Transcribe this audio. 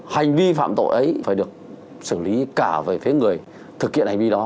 hành vi phạm tội ấy phải được xử lý cả về phía người thực hiện hành vi đó